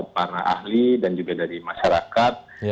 para ahli dan juga dari masyarakat